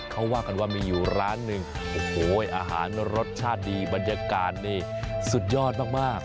เขาว่ากันว่ามีอยู่ร้านหนึ่งโอ้โหอาหารรสชาติดีบรรยากาศนี่สุดยอดมาก